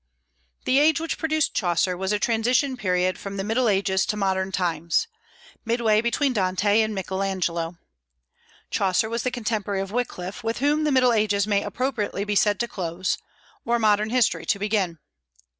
The age which produced Chaucer was a transition period from the Middle Ages to modern times, midway between Dante and Michael Angelo. Chaucer was the contemporary of Wyclif, with whom the Middle Ages may appropriately be said to close, or modern history to begin.